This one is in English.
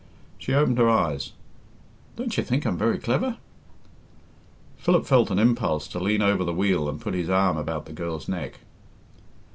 She opened her eyes: "Don't you think I'm very clever?" Philip felt an impulse to lean over the wheel and put his arms about the girl's neck.